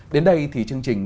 đến đây thì chương trình